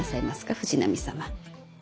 藤波様。